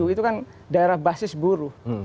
itu kan daerah basis buruh